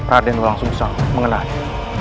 raden langsung sang mengenalnya